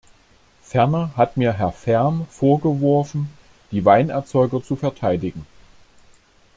Ferner hat mir Herr Färm vorgeworfen, die Weinerzeuger zu verteidigen.